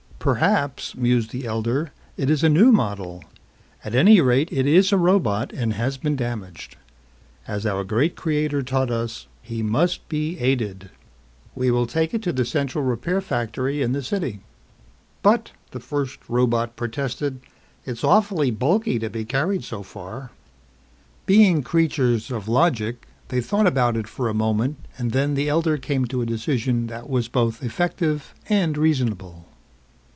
"Perhaps," mused the elder, "it is a new model. At any rate it is a robot and has been damaged. As our great creator taught us, he must be aided. We will take it to the central repair factory in the city." "But," the first robot protested, "it's awfully bulky to be carried so far." Being creatures of logic, they thought about it for a moment and then the elder came to a decision that was both effective and reasonable.